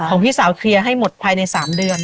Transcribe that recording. พี่สาวเคลียร์ให้หมดภายใน๓เดือน